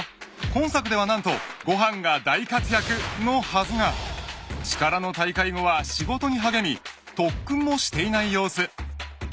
［今作では何と悟飯が大活躍のはずが力の大会後は仕事に励み特訓もしていない様子］